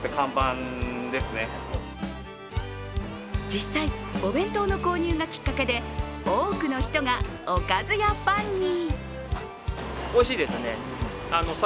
実際、お弁当の購入がきっかけで多くの人が、おかず屋ファンに。